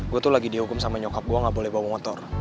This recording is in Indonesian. gue tuh lagi dihukum sama nyokap gue gak boleh bawa motor